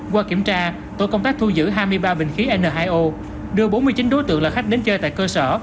qua kiểm tra tổ công tác thu giữ hai mươi ba bình khí n hai o đưa bốn mươi chín đối tượng là khách đến chơi tại cơ sở